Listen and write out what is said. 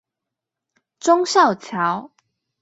忠孝橋